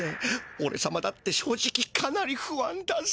おれ様だって正直かなりふあんだぜ。